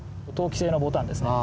陶器製のボタンですね。